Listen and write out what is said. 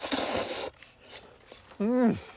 うん！